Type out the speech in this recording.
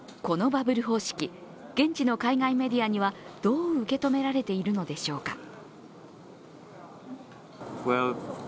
このバブル方式、現地の海外メディアにはどう受け止められているのでしょうか。